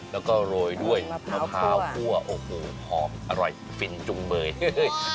แล้วก็โรยด้วยมะพร้าวคั่วโอ้โหหอมอร่อยฟินจุงเมย